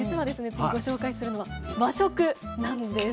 次ご紹介するのは和食なんです。